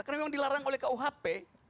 karena memang dilarang oleh kuhp